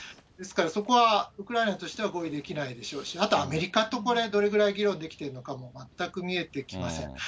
ですからそこはウクライナとしては合意できないでしょうし、あとアメリカとどれぐらい議論できているのかも全く見えてきません。